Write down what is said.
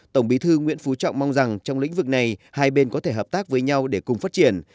tổng bí thư nguyễn phú trọng mong rằng trong lĩnh vực này hai bên có thể hợp tác với nhau để cùng phát triển